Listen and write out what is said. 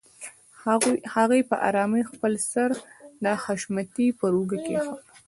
هغې په آرامۍ خپل سر د حشمتي پر اوږه کېښوده.